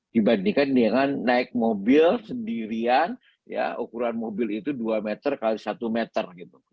dibandingkan dengan naik mobil sendirian ya ukuran mobil itu dua meter x satu meter